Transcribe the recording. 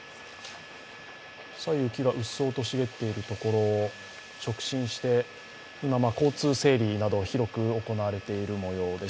左右、木がうっそうと茂っているところを直進して今、交通整理などが広く行われているもようです。